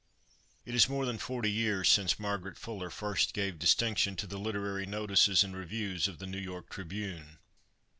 It is more than forty years since Margaret Fuller first gave distinction to the literary notices and reviews of the New York Tribune.